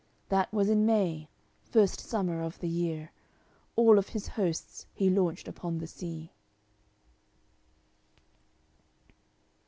That was in May, first summer of the year, All of his hosts he launched upon the sea.